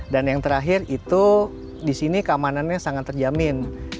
dan yang terakhir itu di sini keamanannya sangat terjamin